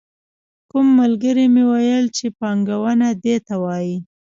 کوم ملګري مې ویل چې پانګونه دې ته وايي.